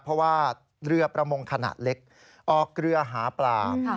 เพราะว่าเรือประมงขนาดเล็กออกเรือหาปลา